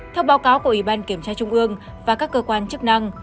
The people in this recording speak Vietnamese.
theo báo cáo của ủy ban kiểm tra trung ương và các cơ quan chức năng